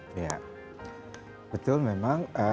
pak yani betul memang